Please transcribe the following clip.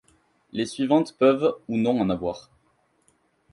Les suivantes peuvent ou non en avoir.